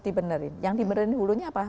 dibenerin yang dibenerin hulunya apa